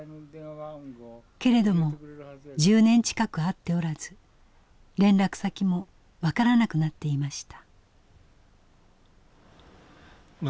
けれども１０年近く会っておらず連絡先も分からなくなっていました。